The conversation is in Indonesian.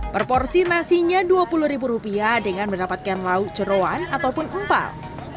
per porsi nasinya dua puluh ribu rupiah dengan mendapatkan lauk jerawan ataupun empal